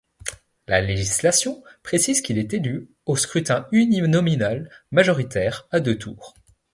La législation précise qu’il est élu au scrutin uninominal majoritaire à deux tours.